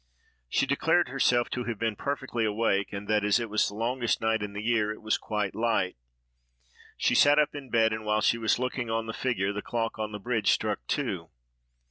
She declared herself to have been perfectly awake, and that, as it was the longest night in the year, it was quite light. She sat up in bed, and while she was looking on the figure the clock on the bridge struck two.